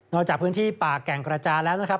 จากพื้นที่ป่าแก่งกระจานแล้วนะครับ